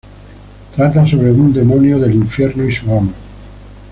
Trata sobre un demonio del infierno y su amo.